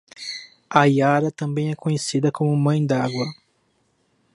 A iara também é conhecida como mãe d'água